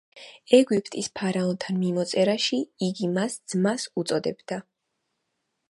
ეგვიპტის ფარაონთან მიმოწერაში, იგი მას ძმას უწოდებდა.